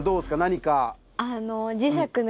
何か。